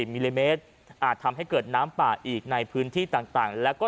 มิลลิเมตรอาจทำให้เกิดน้ำป่าอีกในพื้นที่ต่างแล้วก็